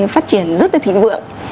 phát triển rất là thịnh vượng